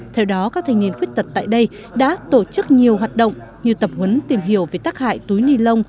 theo đó các thanh niên khuyết tật tại đây đã tổ chức nhiều hoạt động như tập huấn tìm hiểu về tác hại túi ni lông